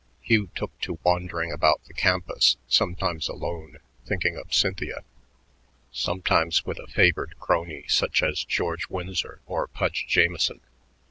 Hugh took to wandering about the campus, sometimes alone, thinking of Cynthia, sometimes with a favored crony such as George Winsor or Pudge Jamieson.